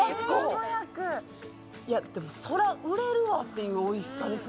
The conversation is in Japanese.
いやでもそりゃ売れるわ！っていう美味しさですもん。